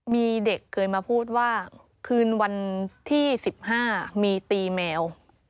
มีเด็กเคยมาพูดว่าคืนวันที่๑๕มีตีแมว